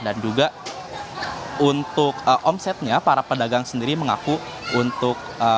dan juga untuk omsetnya para pedagang sendiri mengaku untuk